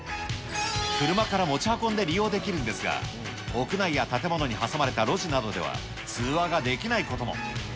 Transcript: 車から持ち運んで利用できるんですが、屋内や建物に挟まれた路地などでは、通話ができないことも。